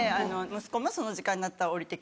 息子もその時間になったら下りてきてみたいな。